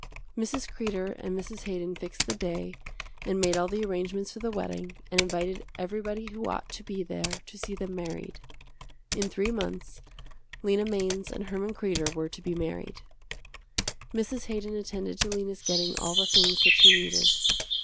Mrs. Kreder and Mrs. Haydon fixed the day and made all the arrangements for the wedding and invited everybody who ought to be there to see them married. In three months Lena Mainz and Herman Kreder were to be married. Mrs. Haydon attended to Lena's getting all the things that she needed.